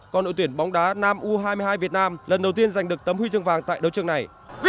còn đội tuyển bóng đá nam u hai mươi hai việt nam lần đầu tiên giành được tấm huy chương vàng tại đấu trường này